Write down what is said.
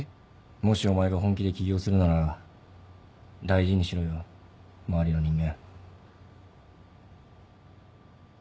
もしお前が本気で起業するなら大事にしろよ周りの人間。